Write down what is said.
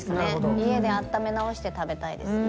家で温め直して食べたいですね。